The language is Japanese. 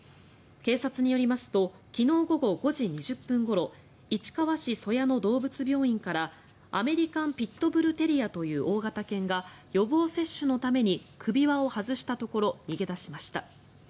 警察によりますと昨日午後５時２０分ごろ市川市曽谷の動物病院からアメリカン・ピット・ブル・テリアという大型犬が予防接種のために首輪を外したところ逃げ出しました。